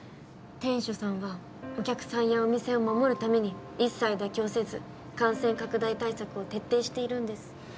店主さんはお客さんやお店を守るために一切妥協せず感染拡大対策を徹底しているんです。